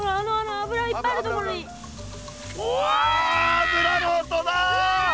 油の音だ！